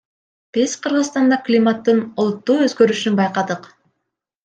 Биз Кыргызстанда климаттын олуттуу өзгөрүшүн байкадык.